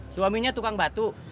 suaminya tukang batu